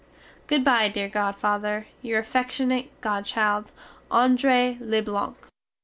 Goodbye, dear godfather, Your affeckshunate godchild, Andrée Leblanc.